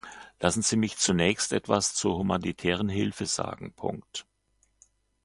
Lassen Sie mich zunächst etwas zur humanitären Hilfe sagen.